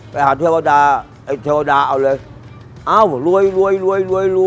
ไปหาเทวดาไอเทวดาเอาเลย